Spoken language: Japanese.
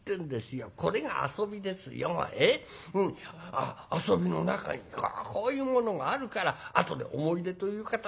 あっ遊びの中にこういうものがあるからあとで思い出という形になるんですよ。